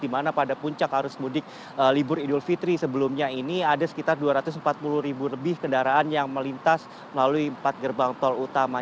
di mana pada puncak arus mudik libur idul fitri sebelumnya ini ada sekitar dua ratus empat puluh ribu lebih kendaraan yang melintas melalui empat gerbang tol utama